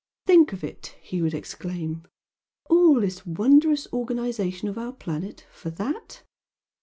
"Think of it!" he would exclaim "All this wondrous organisation of our planet for THAT!